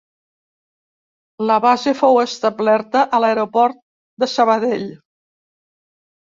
La base fou establerta a l'aeroport de Sabadell.